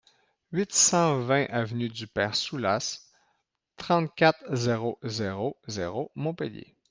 huit cent vingt avenue du Père Soulas, trente-quatre, zéro zéro zéro, Montpellier